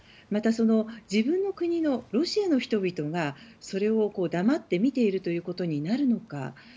また、自分の国のロシアの人々がそれを黙って見ているということになるのか。